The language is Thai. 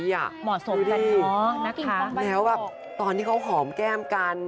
เหมาะสมกันเนอะนักกินฟองบรรยากาศดูดิแล้วแบบตอนที่เขาหอมแก้มกัน